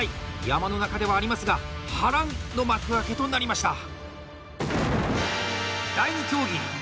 山の中ではありますが波乱の幕開けとなりました。